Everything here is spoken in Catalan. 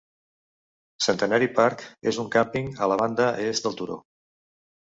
Centenary Park és un càmping a la banda est del turó.